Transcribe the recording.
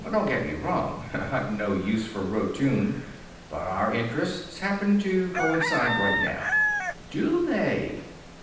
"Don't get me wrong. I've got no use for Rotune; but our interests happen to coincide right now." "Do they?"